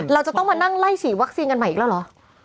เราจะต้องมานั่งไล่ฉีดวัคซีนกันใหม่อีกแล้วเหรอ